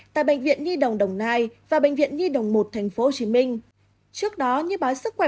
tại bệnh viện nhi đồng đồng nai và bệnh viện nhi đồng một tp hcm trước đó như báo sức khỏe